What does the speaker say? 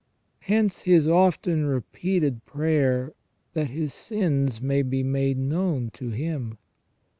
Hence his often repeated prayer that his sins may be made known to him.